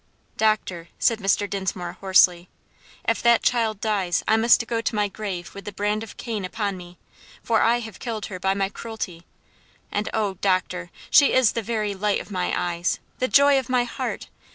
"Doctor," said Mr. Dinsmore hoarsely, "if that child dies, I must go to my grave with the brand of Cain upon me, for I have killed her by my cruelty; and oh! doctor, she is the very light of my eyes the joy of my heart!